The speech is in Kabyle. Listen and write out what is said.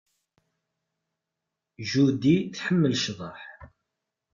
Judy tḥemmel cḍeḥ.